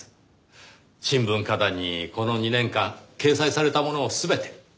新聞歌壇にこの２年間掲載されたものを全て。